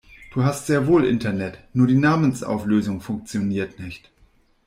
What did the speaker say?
Du hast sehr wohl Internet, nur die Namensauflösung funktioniert nicht.